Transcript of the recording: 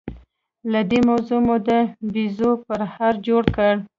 له دې موضوع مو د بيزو پرهار جوړ کړ.